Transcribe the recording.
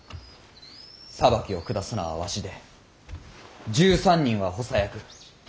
裁きを下すのはわしで１３人は補佐役。